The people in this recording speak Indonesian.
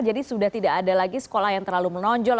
jadi sudah tidak ada lagi sekolah yang terlalu menonjol